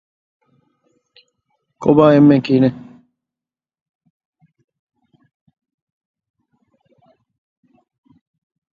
އޮފީސް ފޮޅާ ސާފުކުރުން